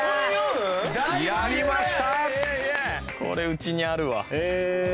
これうちにあるわ。